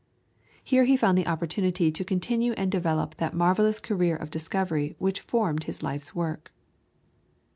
Here he found the opportunity to continue and develop that marvellous career of discovery which formed his life's work.